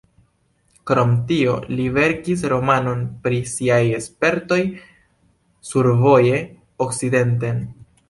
Krom tio, li verkis romanon pri siaj spertoj survoje okcidenten.